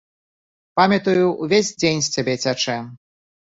Памятаю, увесь дзень з цябе цячэ.